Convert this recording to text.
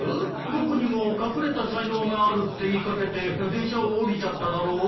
僕にも隠れた才能があるって言いかけて電車を降りちゃっただろう？